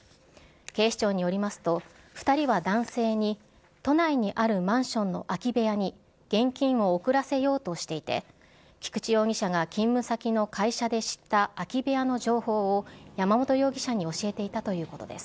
警視庁によりますと、２人は男性に都内にあるマンションの空き部屋に現金を送らせようとしていて、菊池容疑者が勤務先の会社で知った空き部屋の情報を、山本容疑者に教えていたということです。